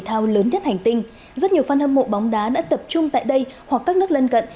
thao lớn nhất hành tinh rất nhiều fan hâm mộ bóng đá đã tập trung tại đây hoặc các nước lân cận